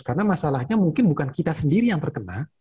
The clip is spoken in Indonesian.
karena masalahnya mungkin bukan kita sendiri yang terkena